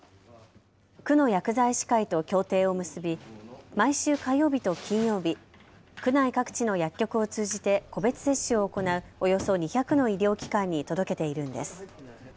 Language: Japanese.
区の薬剤師会と協定を結び、毎週火曜日と金曜日、区内各地の薬局を通じて個別接種を行うおよそ２００の医療機関に届けているんです。